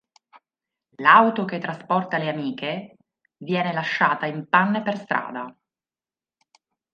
L'auto che trasporta le amiche viene lasciata in panne per strada.